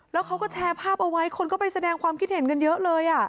แล้วเขาก็แชร์ภาพเอาไว้คนก็ไปแสดงความคิดเห็นกันเยอะเลย